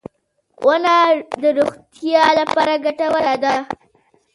• ونه د روغتیا لپاره ګټوره ده.